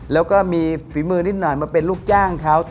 แล้วก็มีฝีมือนิดหน่อยมาเป็นลูกจ้างเขา